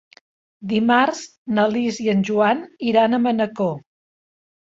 Dimarts na Lis i en Joan iran a Manacor.